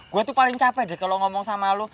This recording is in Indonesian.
gue tuh paling capek deh kalau ngomong sama lo